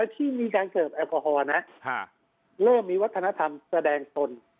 ที่มีการเสิร์ฟแอลกอฮอล์นะเริ่มมีวัฒนธรรมแสดงตน